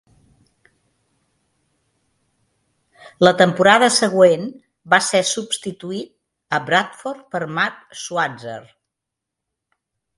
La temporada següent va ser substituït a Bradford per Mark Schwarzer.